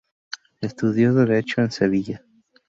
Estudió derecho en Sevilla.